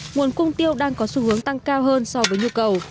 nguồn cung tiêu đang có xu hướng tăng cao hơn so với nhu cầu